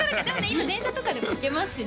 今電車とかでも行けますしね